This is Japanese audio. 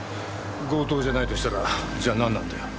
強盗じゃないとしたらじゃ何なんだよ？